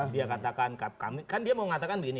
dia katakan kan dia mau mengatakan begini